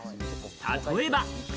例えば。